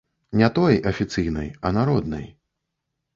Не той, афіцыйнай, а народнай.